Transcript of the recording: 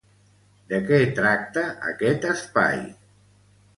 De què tracta aquest espai?